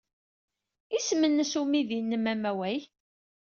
Isem-nnes umidi-nnem amaway?